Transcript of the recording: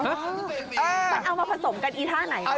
มันเอามาผสมกันอีท่าไหน